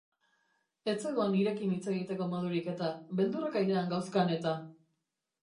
Ez zegon hirekin hitz egiteko modurik eta, beldurrak airean gauzkan eta.